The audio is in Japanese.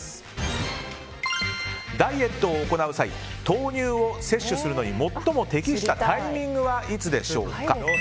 ダイエットを行う際豆乳を摂取するのに最も適したタイミングはいつでしょうか。